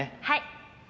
「はい！」